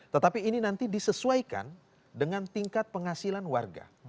tetapi ini nanti disesuaikan dengan tingkat penghasilan warga